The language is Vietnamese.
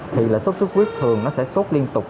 thì là sốt xuất huyết thường nó sẽ sốt liên tục